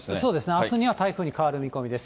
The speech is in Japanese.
あすには台風に変わる見込みです。